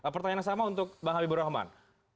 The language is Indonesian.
pertanyaan yang sama untuk bang habibur rahman